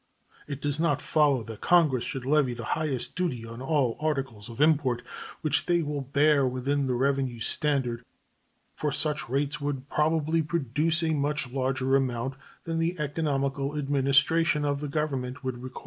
It does not follow that Congress should levy the highest duty on all articles of import which they will bear within the revenue standard, for such rates would probably produce a much larger amount than the economical administration of the Government would require.